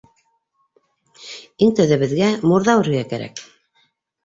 Иң тәүҙә беҙгә мурҙа үрергә кәрәк.